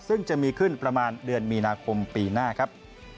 ซึ่งจะมีขึ้นประมาณเดือนมีนาคมปีหน้าครับ